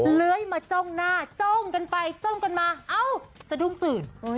เลื้อยมาจ้องหน้าจ้องกันไปจ้องกันมาเอ้าสะดุ้งตื่น